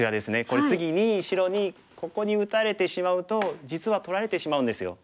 これ次に白にここに打たれてしまうと実は取られてしまうんですよ。